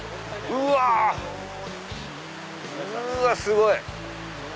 うわすごい！